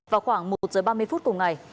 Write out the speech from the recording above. vào khoảng một h ba mươi phút cùng ngày